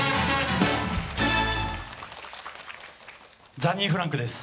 ザニーフランクです。